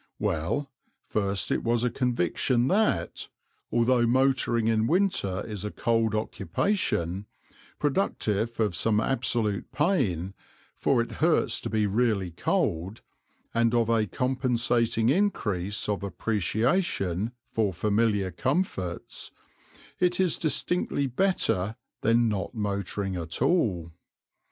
Well, first it was a conviction that, although motoring in winter is a cold occupation, productive of some absolute pain, for it hurts to be really cold, and of a compensating increase of appreciation for familiar comforts, it is distinctly better than not motoring at all.